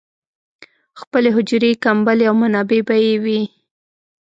خپلې حجرې، کمبلې او منابع به یې وې.